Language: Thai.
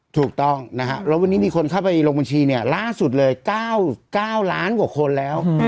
ถูกต้องนะฮะแล้ววันนี้มีคนเข้าไปลงบัญชีเนี่ยล่าสุดเลย๙ล้านกว่าคนแล้ว